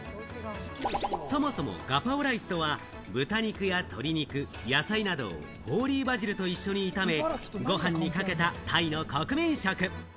そもそもガパオライスとは、豚肉や鶏肉、野菜などをホーリーバジルと一緒に炒め、ご飯にかけたタイの国民食。